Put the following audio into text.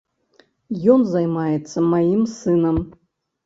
Ён займаецца маім сынам.